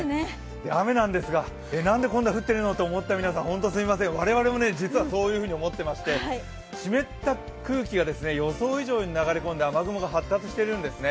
雨なんですが、何でこんなに降ってるのと思った皆さん、我々も実はそういうふうに思っていまして湿った空気が予想以上に流れ込んで雨雲が発達しているんですね。